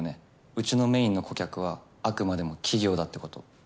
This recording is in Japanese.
うちのメインの顧客はあくまでも企業だってこと。